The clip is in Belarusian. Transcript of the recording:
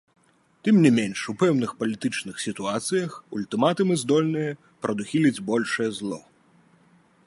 Тым не менш у пэўных палітычных сітуацыях ультыматумы здольныя прадухіліць большае зло.